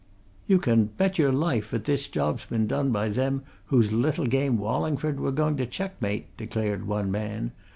"You can bet your life 'at this job's been done by them whose little game Wallingford were going to checkmate!" declared one man.